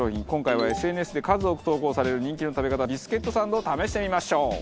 今回はＳＮＳで数多く投稿される人気の食べ方ビスケットサンドを試してみましょう。